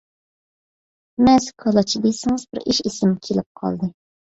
مەسە-كالاچ دېسىڭىز بىر ئىش ئېسىمگە كېلىپ قالدى.